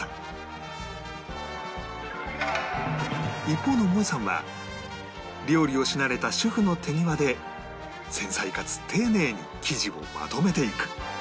一方のもえさんは料理をし慣れた主婦の手際で繊細かつ丁寧に生地をまとめていく